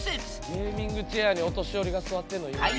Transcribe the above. ゲーミングチェアにお年寄りが座ってるのいいな。